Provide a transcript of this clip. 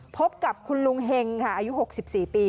พบกับคุณลุงเฮงค่ะอายุ๖๔ปี